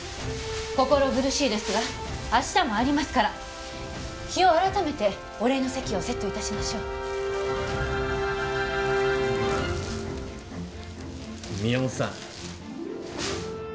心苦しいですが明日もありますから日を改めてお礼の席をセットいたしましょう宮本さん